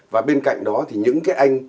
và bên cạnh đó thì những cái anh